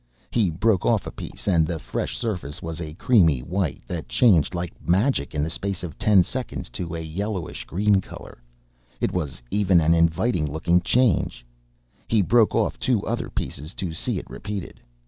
He broke off a piece, and the fresh surface was a creamy white, that changed like magic in the space of ten seconds to a yellowish green colour. It was even an inviting looking change. He broke off two other pieces to see it repeated.